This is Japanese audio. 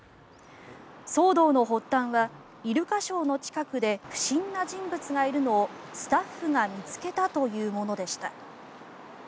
騒動の発端はイルカショーの近くで不審な人物がいるのをスタッフが見つけたというものでした。